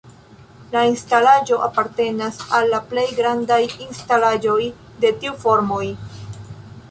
La instalaĵo apartenas al la plej grandaj instalaĵoj de tiu formoj.